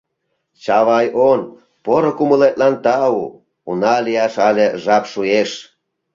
Чавай он, поро кумылетлан тау: уна лияш але жап шуэш.